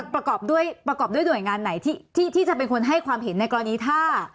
ประกอบด้วยประกอบด้วยหน่วยงานไหนที่จะเป็นคนให้ความเห็นในกรณีถ้า